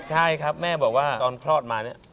ใช่ครับแม่บอกว่าตอนคลอดมาเนี่ย